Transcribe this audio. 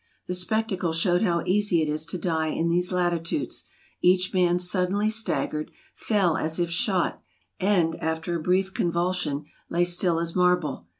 The spectacle showed how easy it is to die in these latitudes; each man suddenly staggered, fell as if shot, and, after a brief convulsion, lay still as marble.